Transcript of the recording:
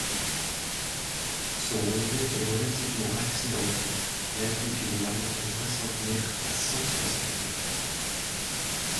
Son relief est relativement accidenté, l’altitude variant de soixante mètres à cent soixante mètres.